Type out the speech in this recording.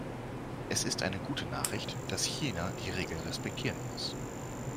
Es ist eine gute Nachricht, dass China die Regeln respektieren muss.